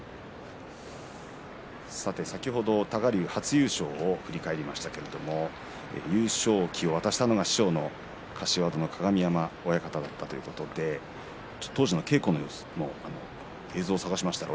先ほど多賀竜の初優勝を振り返りましたが優勝旗を渡したのが師匠の柏戸の鏡山親方だったということで当時の稽古の様子も映像を探しました。